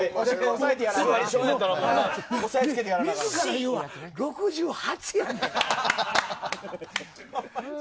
自ら言うわ、６８やで。